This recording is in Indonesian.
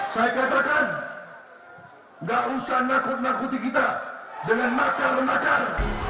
saya katakan nggak usah nakut nakuti kita dengan makar makar